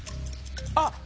あっ！